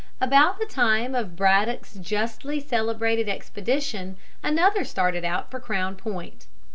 About the time of Braddock's justly celebrated expedition another started out for Crown Point.